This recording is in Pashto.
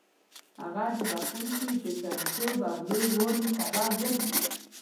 هغه د بخښونکي د سترتوب او لوی والي سبب ګرځي.